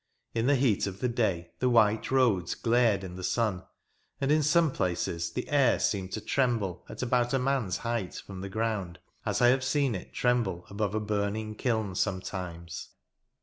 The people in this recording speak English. In the heat of the day, the white roads glared in the sun ; and, in some places, the air seemed to tremble, at about a man's height from the ground, as I have seen it tremble above a burning kiln sometimes.